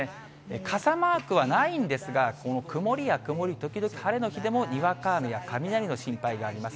傘マークはないんですが、この曇りや、曇り時々晴れの日でもにわか雨や雷の心配があります。